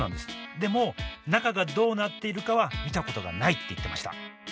でも中がどうなっているかは見たことがないって言ってました。